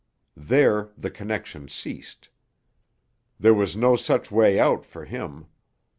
There the connection ceased. There was no such way out for him.